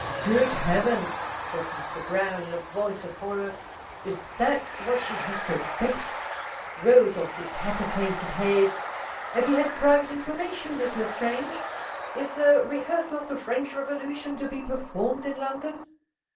"Good heavens!" says Mr. Browne, in a voice of horror. "Is that what she has to expect? Rows of decapitated heads! Have you had private information, Miss L'Estrange? Is a rehearsal of the French Revolution to be performed in London?